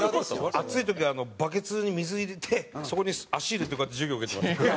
暑い時はバケツに水入れてそこに足入れてこうやって授業受けてました。